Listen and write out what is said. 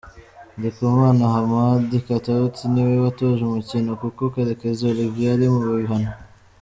Ndikumana Hamadi Katauti niwe watoje umukino kuko Karekezi Olivier ari mu bihano.